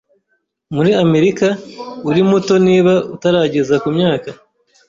Muri Amerika, uri muto niba utarageza ku myaka .